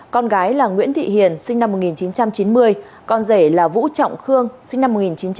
con gái là nguyễn thị hiền sinh năm một nghìn chín trăm chín mươi con rể là vũ trọng khương sinh năm một nghìn chín trăm tám mươi